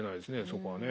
そこはね。